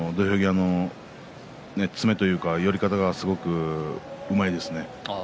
竜電は土俵際の詰めというか寄り方はとてもうまいですね。